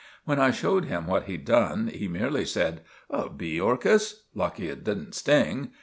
When I showed him what he'd done, he merely said, 'A bee orchis? Lucky it don't sting!